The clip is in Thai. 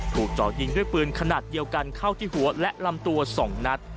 จ่อยิงด้วยปืนขนาดเดียวกันเข้าที่หัวและลำตัว๒นัด